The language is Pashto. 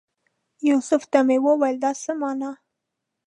یوسف ته مې وویل دا څه مانا؟